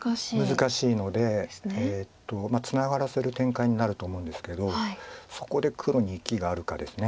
難しいのでツナがらせる展開になると思うんですけどそこで黒に生きがあるかです。